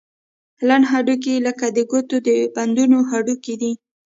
لنډ هډوکي لکه د ګوتو د بندونو هډوکي دي.